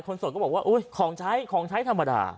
คนส่วนก็บอกว่าอุ้ยของใช้ของใช้ธรรมดา